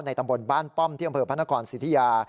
ในตำบลบ้านป้อมที่อำเภอพนกรสีธิร